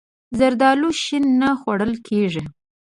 زردالو شین نه خوړل کېږي.